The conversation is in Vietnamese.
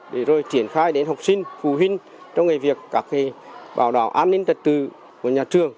để rồi triển khai đến học sinh phụ huynh trong việc bảo đảo an ninh trật tự của nhà trường